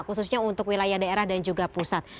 khususnya untuk wilayah daerah dan juga pusat